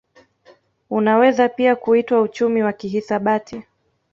Unaweza pia kuitwa uchumi wa kihisabati